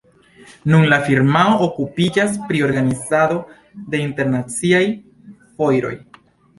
Nun la firmao okupiĝas pri organizado de internaciaj foiroj.